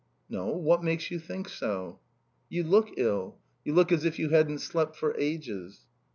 "No. What makes you think so?" "You look ill. You look as if you hadn't slept for ages."